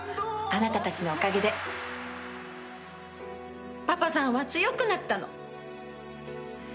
あなたたちのおかげでパパさんは強くなったの。